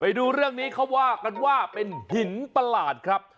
ไปดูเรื่องนี้เขาว่ากันว่าเป็นหินประหลาดครับ